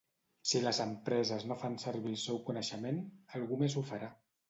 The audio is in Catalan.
Si les empreses no fan servir el seu coneixement, algú més ho farà.